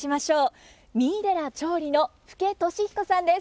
三井寺長吏の福家俊彦さんです。